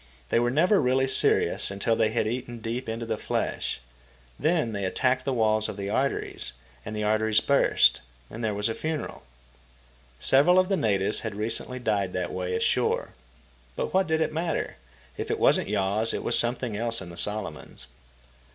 They were never really serious until they had eaten deep into the flesh. Then they attacked the walls of the arteries, the arteries burst, and there was a funeral. Several of the natives had recently died that way ashore. But what did it matter? If it wasn't yaws, it was something else in the Solomons.